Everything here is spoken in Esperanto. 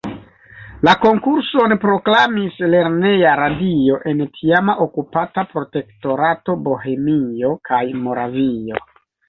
La konkurson proklamis Lerneja radio en tiama okupata Protektorato Bohemio kaj Moravio.